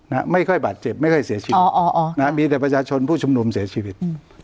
นะฮะไม่ค่อยบาดเจ็บไม่ค่อยเสียชีวิตอ๋ออ๋อนะฮะมีแต่ประชาชนผู้ชุมนุมเสียชีวิตอืม